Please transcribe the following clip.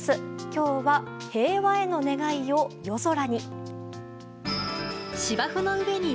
今日は、平和への願いを夜空に。